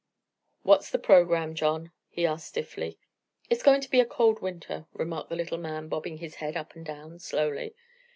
"What's the programme, John?" he asked stiffly. "It's going to be a cold winter," remarked the little man, bobbing his head up and down slowly.